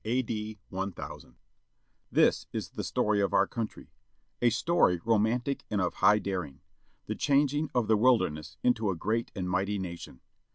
A.D. 1000 HIS is the story of our country, A story romantic and of high daring. The changing of the wilderness into a great and mighty nation.